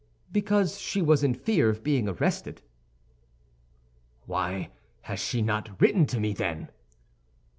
"Because she was in fear of being arrested." "Why has she not written to me, then?"